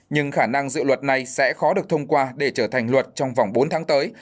nhưng khả năng dự luật này sẽ khó được thông qua để trở thành luật trong vòng bốn tháng tới